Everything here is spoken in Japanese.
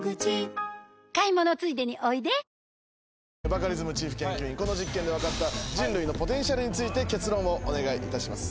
バカリズムチーフ研究員この実験で分かった人類のポテンシャルについて結論をお願いいたします。